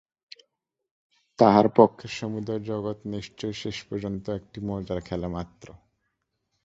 তাঁহার পক্ষে সমুদয় জগৎ নিশ্চয়ই শেষ পর্যন্ত একটি মজার খেলামাত্র।